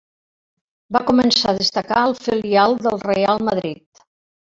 Va començar a destacar al filial del Reial Madrid.